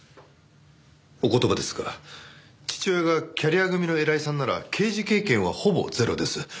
お言葉ですが父親がキャリア組の偉いさんなら刑事経験はほぼゼロです。